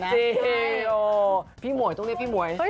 นี่พี่หมวยต้องเรียกพี่หมวย